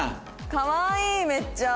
かわいいめっちゃ。